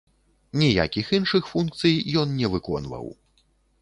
Ніякіх іншых функцый ён не выконваў.